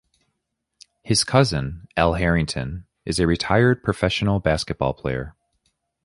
His cousin, Al Harrington, is a retired professional basketball player.